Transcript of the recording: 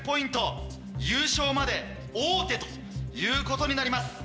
優勝まで王手ということになります。